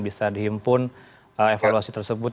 bisa dihimpun evaluasi tersebut